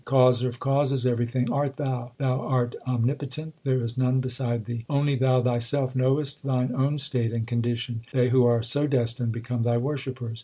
Causer of causes, everything art Thou ; Thou art omni potent ; there is none beside Thee. Only Thou Thyself knowest Thine own state and con dition ; they who are so destined 3 become Thy worshippers.